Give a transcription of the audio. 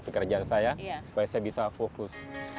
pekerjaan saya supaya saya bisa fokus